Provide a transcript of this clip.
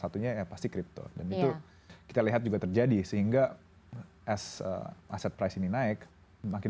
satunya pasti crypto dan itu kita lihat juga terjadi sehingga aset price ini naik makin